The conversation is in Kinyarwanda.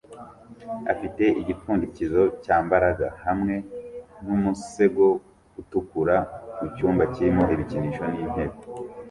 afite igipfundikizo cyambaraga hamwe n umusego utukura mu cyumba kirimo ibikinisho n'intebe